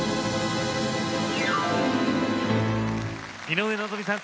井上希美さん